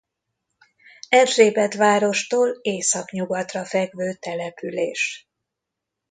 Erzsébetvárostól északnyugatra fekvő település.